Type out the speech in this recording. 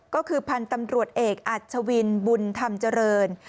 ก็คือพันธุ์ตำรวจเอกอัชวินบุญธรรมเจริญ